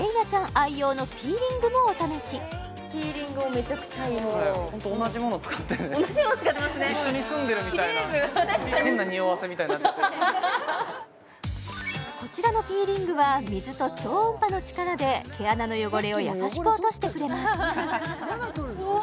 愛用のピーリングもお試し同じもの使ってますねこちらのピーリングは水と超音波の力で毛穴の汚れをやさしく落としてくれますうお！